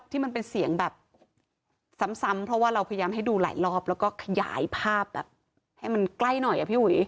ที่มันเป็นเสียงแบบซ้ำเพราะว่าเราพยายามให้ดูหลายรอบแล้วก็ขยายภาพแบบให้มันใกล้หน่อยอะพี่อุ๋ย